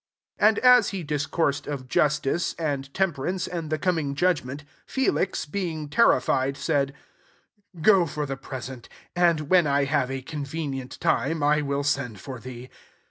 25 And as he discoursed of justice, and temperance, and the coming judgment, Felix, being terrified, said, Go for the present ; and, when I have a convenient time, 1 will send for thee.